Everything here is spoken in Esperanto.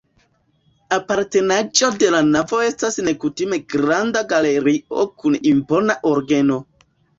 Apartenaĵo de la navo estas nekutima granda galerio kun impona orgeno.